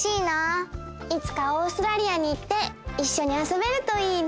いつかオーストラリアに行っていっしょにあそべるといいね。